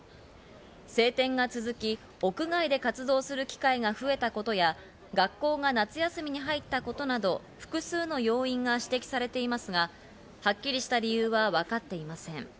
晴天が続き、屋外で活動する機会が増えたことや、学校が夏休みに入ったことなど複数の要因が指摘されていますが、はっきりした理由は分かっていません。